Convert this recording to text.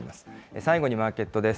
最後にマーケットです。